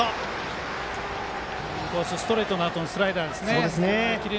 インコースストレートのあとのスライダーですね。